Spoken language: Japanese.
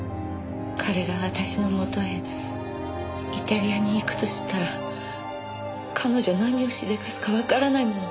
彼が私の元へイタリアに行くと知ったら彼女何をしでかすかわからないもの。